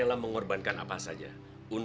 itu memang membuatku merasa turun